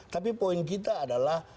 tapi poin kita adalah